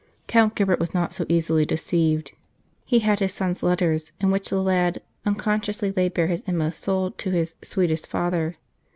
Count Gilbert was not so easily deceived. He had his son s letters, in which the lad uncon sciously laid bare his inmost soul to his " sweetest father."